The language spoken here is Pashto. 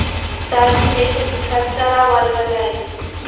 دا جملې په دقت سره ولولئ.